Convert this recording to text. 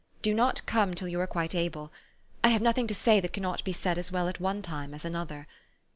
Do not come till you are quite able. I have nothing to say that cannot be said as well at one time as another.